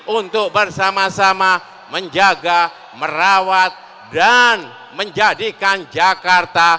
untuk bersama sama menjaga merawat dan menjadikan jakarta